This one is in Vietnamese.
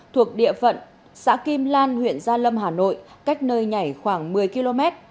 thuộc địa phận xã kim lan huyện gia lâm hà nội cách nơi nhảy khoảng một mươi km